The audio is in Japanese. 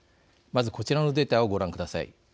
まずこちらのデータをご覧ください。